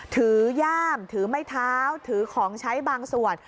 ย่ามถือไม้เท้าถือของใช้บางส่วน